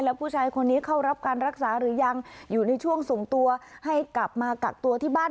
แล้วผู้ชายคนนี้เข้ารับการรักษาหรือยังอยู่ในช่วงส่งตัวให้กลับมากักตัวที่บ้าน